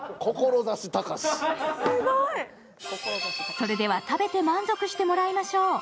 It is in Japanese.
それでは食べて満足してもらいましょう。